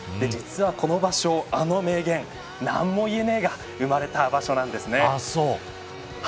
実はこの場所あの名言、なんも言えねえが生まれた場所なんです。